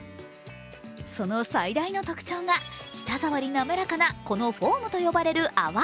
その最大の特徴が舌触り滑かなこのフォームと呼ばれる泡。